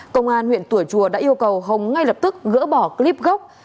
công an huyện tùa chùa đã yêu cầu hồng ngay lập tức gỡ bỏ clip gốc